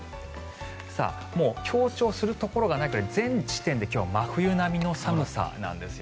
もう強調するところがないくらい全地点で今日は真冬並みの寒さなんです。